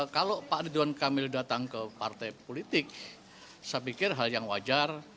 kalau pak ridwan kamil datang ke partai politik saya pikir hal yang wajar